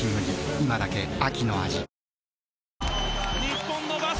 今だけ秋の味